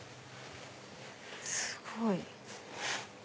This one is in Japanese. すごい！